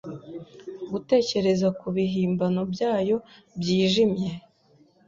Gutekereza kubihimbano byayo byijimye